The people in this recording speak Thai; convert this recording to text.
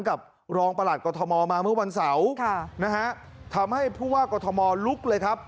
กับรองประหลัดกรทมมาเมื่อวันเสาร์ค่ะนะฮะทำให้ผู้ว่ากรทมลุกเลยครับ